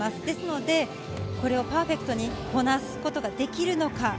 ですので、これをパーフェクトにこなすことができるのか。